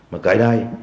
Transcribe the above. mà cái này